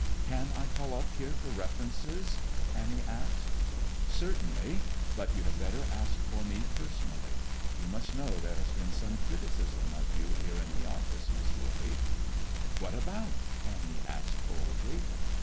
"Can I call up here for references?" Annie asked. "Certainly. But you had better ask for me, personally. You must know there has been some criticism of you here in the office, Miss Wooley." "What about?" Annie asked boldly.